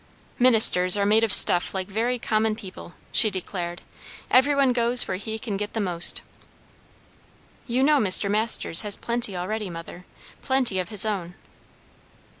"Ministers are made of stuff very like common people," she declared. "Every one goes where he can get the most." "You know Mr. Masters has plenty already, mother; plenty of his own."